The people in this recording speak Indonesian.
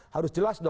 harus jelas dong